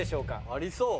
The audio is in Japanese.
ありそう。